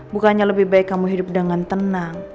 bukannya lebih baik kamu hidup dengan tenang